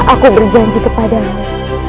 aku berjanji kepadamu